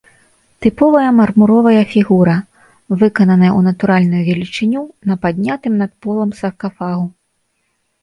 Тыповая мармуровая фігура, выкананая ў натуральную велічыню на паднятым над полам саркафагу.